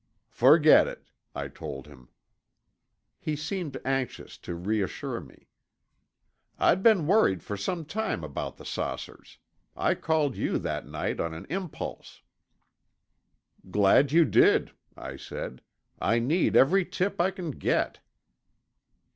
"Forget it," I told him. He seemed anxious to reassure me. "I'd been worried for some time about the saucers. I called you that night on an impulse." "Glad you did," I said. "I need every tip I can get."